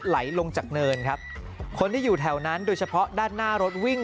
ไหลลงจากเนินครับคนที่อยู่แถวนั้นโดยเฉพาะด้านหน้ารถวิ่ง